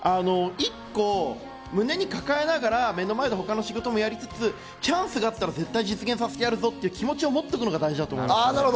一個、胸に抱えながら他の仕事もやりつつ、チャンスがあったら実現させてやるぞという気持ちを持っておくことが大事だと思います。